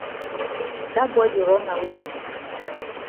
Dat boy di run na weti?